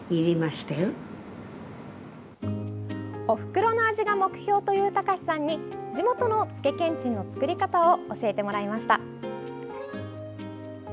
おふくろの味が目標という孝さんに地元の、つけけんちんの作り方を教えてもらいました。